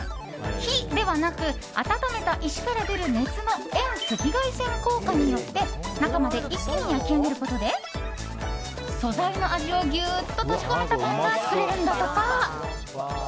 火ではなく温めた石から出る熱の遠赤外線効果によって中まで一気に焼き上げることで素材の味をぎゅっと閉じ込めたパンが作れるんだとか。